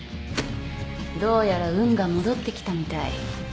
どうやら運が戻ってきたみたい。